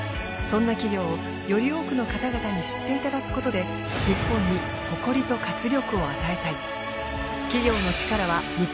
そんな企業をより多くの方々に知っていただくことで日本に誇りと活力を与えたい。